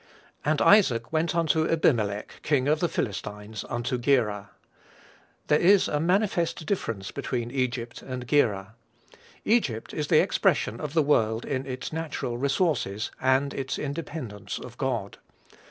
"And Isaac went unto Abimelech, King of the Philistines, unto Gerar." There is a manifest difference between Egypt and Gerar. Egypt is the expression of the world in its natural resources, and its independence of God.